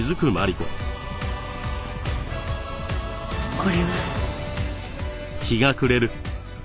これは！